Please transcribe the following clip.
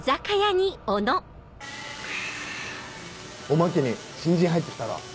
おまけに新人入って来たろ。